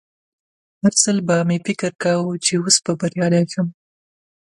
هر ځل به مې فکر کاوه چې اوس به بریالی شم